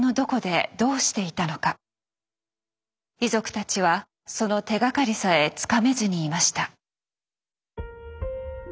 遺族たちはその手がかりさえつかめずにいました。